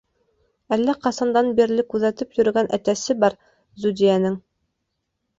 Әллә ҡасандан бирле күҙәтеп йөрөгән Әтәсе бар Зүдиәнең.